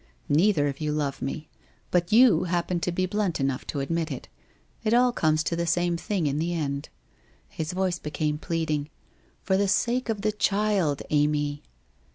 Neither of you love me, but you happen to be blunt enough to admit it. It all comes to the same thing in the end.' His voice be came pleading. 'For the sake of the child, Amy?'